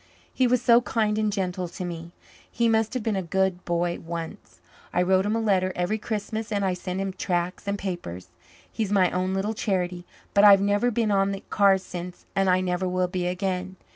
He was so kind and gentle to me he must have been a good boy once. I write him a letter every Christmas and I send him tracts and papers. He's my own little charity. But I've never been on the cars since and I never will be again.